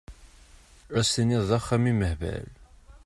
Ad s-tiniḍ d axxam imehbal!